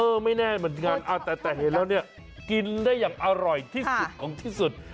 ไม่แน่เหมือนกันแต่เห็นแล้วเนี่ยกินได้อย่างอร่อยที่สุดของที่สุด